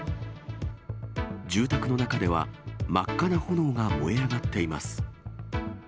住宅の中では、真っ赤な炎が燃え上がっています。